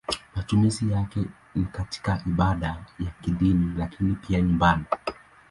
Matumizi yake ni katika ibada za kidini lakini pia nyumbani.